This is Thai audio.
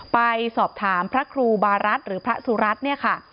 ไปสอบถามพระครูบารัฐหรือพระสุรัตน์เนี่ยค่ะ